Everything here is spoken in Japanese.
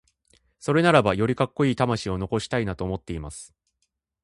それならばよりカッコイイ魂を残したいなと思っています。